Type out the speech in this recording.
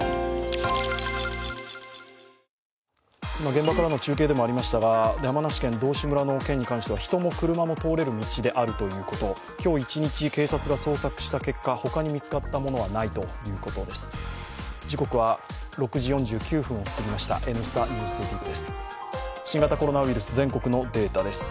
現場からの中継でもありましたが、山梨県道志村の件に関しては人も車も通れる道であるということ今日一日、警察が捜索した結果、他に見つかったものはないということです。